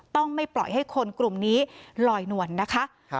ต้องไม่ปล่อยให้คนกลุ่มนี้ลอยนวลนะคะ